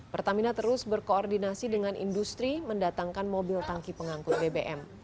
pertamina terus berkoordinasi dengan industri mendatangkan mobil tangki pengangkut bbm